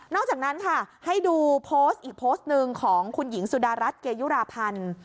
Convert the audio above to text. อกจากนั้นค่ะให้ดูโพสต์อีกโพสต์หนึ่งของคุณหญิงสุดารัฐเกยุราพันธ์